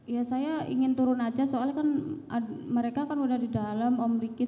ya saya ingin turun aja soalnya kan mereka kan sudah didalam om riki